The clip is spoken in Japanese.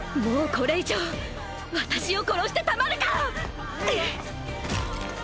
これ以上私を殺してたまるか！！